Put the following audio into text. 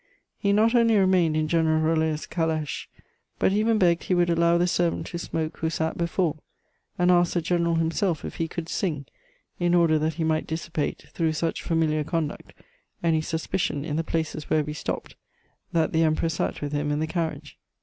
He not only remained in General Roller's calash, but even begged he would allow the servant to smoke who sat before, and asked the General himself if he could sing, in order that he might dissipate, through such familiar conduct, any suspicion in the places where we stopped, that the Emperor sat with him in the carriage.